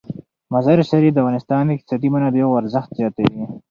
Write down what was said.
مزارشریف د افغانستان د اقتصادي منابعو ارزښت زیاتوي.